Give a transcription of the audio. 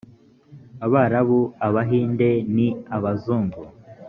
abarabu, abahinde ni abazungu